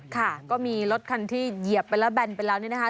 ค่ะก็มีรถคันที่เหยียบไปแล้วแบนไปแล้วนี่นะคะ